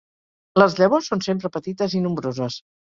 Les llavors són sempre petites i nombroses.